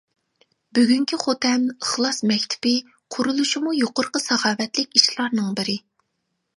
بۈگۈنكى خوتەن ئىخلاس مەكتىپى قۇرۇلۇشىمۇ يۇقىرىقى ساخاۋەتلىك ئىشلارنىڭ بىرى.